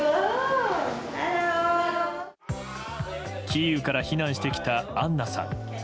キーウから避難してきたアンナさん。